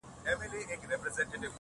د ښکلیو د غرور پیداکونکی ګڼي